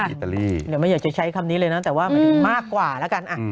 อิตาลีหรือไม่อยากจะใช้คำนี้เลยนะแต่ว่ามันมากกว่าแล้วกันอ่า